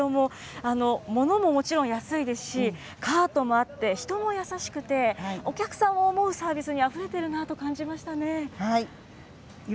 きょう案内していただきましたけれども、ものももちろん安いですし、カートもあって、人も優しくて、お客さんを思うサービスにあふれているなと感じましたね。